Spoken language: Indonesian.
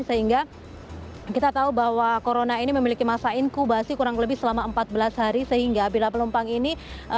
sehingga kita tahu bahwa corona ini memiliki masa inkubasi kurang lebih selama empat belas hari sehingga bila penumpang ini